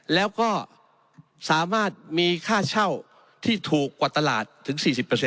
แล้วก็สามารถมีค่าเช่าที่ถูกกว่าตลาดถึง๔๐